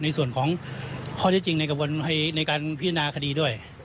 ในส่วนของข้อเท็จจริงในกระบวนในการพิจารณาคดีด้วย